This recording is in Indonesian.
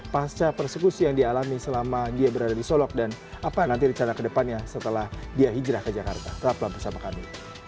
pasca persekusi yang dialami selama dia berada di solok dan apa nanti rencana ke depannya setelah dia hijrah ke jakarta tetaplah bersama kami